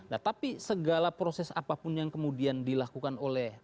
nah tapi segala proses apapun yang kemudian dilakukan oleh